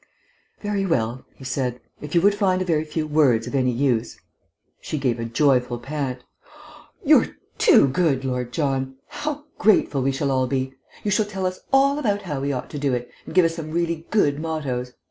"Very well," he said. "If you would find a very few words of any use " She gave a joyful pant. "You're too good, Lord John! How grateful we shall all be! You shall tell us all about how we ought to do it, and give us some really good mottoes!...